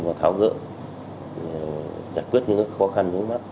và tháo gỡ giải quyết những khó khăn vướng mắt